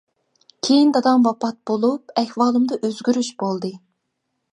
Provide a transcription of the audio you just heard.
كېيىن دادام ۋاپات بولۇپ، ئەھۋالىمدا ئۆزگىرىش بولدى.